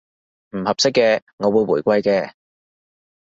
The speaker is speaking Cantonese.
唔合適嘅，我會回饋嘅